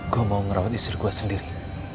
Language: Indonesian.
saya mau merawat istri saya sendiri